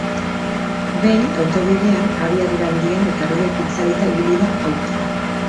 Behin autobidean, abiadura handian eta argiak itzalita ibili da autoa.